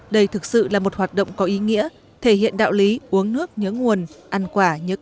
đây thực sự là một hoạt động có ý nghĩa thể hiện đạo lý uống nước nhớ nguồn